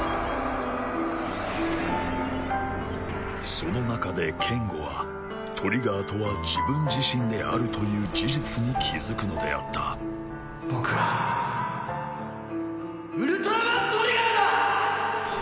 その中でケンゴはトリガーとは自分自身であるという事実に気付くのであった僕はウルトラマントリガーだ！